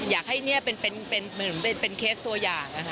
อยากให้เป็นเคสตัวอย่าง